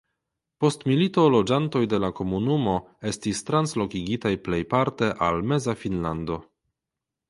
Post milito loĝantoj de la komunumo estis translokigitaj plejparte al Meza Finnlando.